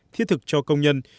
thiết thực cho công nhân